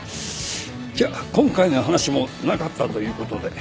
じゃあ今回の話もなかったということで。